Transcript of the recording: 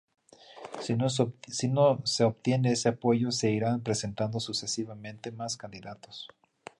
Si no se obtiene ese apoyo, se irán presentando sucesivamente más candidatos.